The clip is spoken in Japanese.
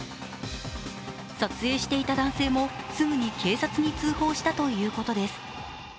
撮影していた男性も、すぐに警察に通報したということです。